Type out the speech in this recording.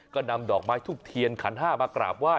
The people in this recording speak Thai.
ก็นำดอกไม้ทุบเทียนขันห้ามากราบไห้